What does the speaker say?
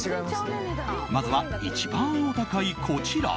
まずは一番お高い、こちら。